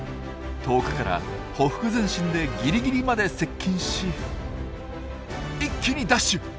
遠くからほふく前進でギリギリまで接近し一気にダッシュ！